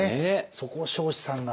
そこを彰子さんが。